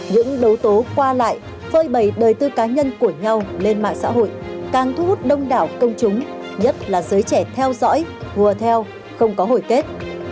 những đấu tố qua lại phơi bầy đời tư cá nhân của nhau lên mạng xã hội càng thu hút đông đảo công chúng nhất là giới trẻ theo dõi hùa theo không có hồi kết